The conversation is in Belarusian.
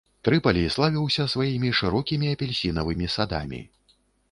Трыпалі славіўся сваімі шырокімі апельсінавымі садамі.